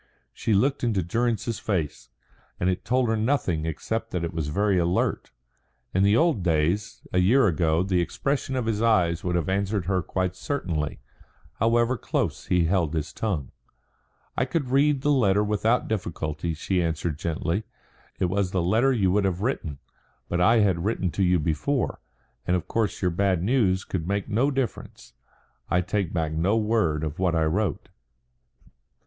She looked into Durrance's face, and it told her nothing except that it was very alert. In the old days, a year ago, the expression of his eyes would have answered her quite certainly, however close he held his tongue. "I could read the letter without difficulty," she answered gently. "It was the letter you would have written. But I had written to you before, and of course your bad news could make no difference. I take back no word of what I wrote."